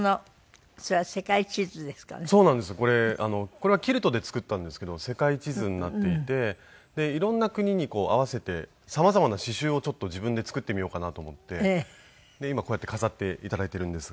これはキルトで作ったんですけど世界地図になっていてで色んな国に合わせて様々な刺繍をちょっと自分で作ってみようかなと思って今こうやって飾って頂いているんですが。